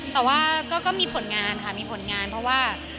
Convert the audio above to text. แต่ว่าก็มีผลงานค่ะมีผลงานเพราะว่า